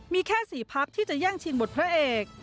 มีแค่๔พักที่จะแย่งชิงบทพระเอก